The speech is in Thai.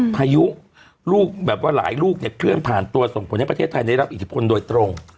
พายุลูกแบบว่าหลายลูกเนี่ยเคลื่อนผ่านตัวส่งผลให้ประเทศไทยได้รับอิทธิพลโดยตรง